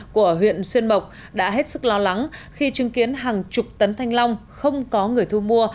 của huyện xuyên mộc đã hết sức lo lắng khi chứng kiến hàng chục tấn thanh long không có người thu mua